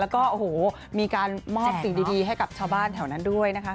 แล้วก็โอ้โหมีการมอบสิ่งดีให้กับชาวบ้านแถวนั้นด้วยนะคะ